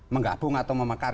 menggabung atau memekar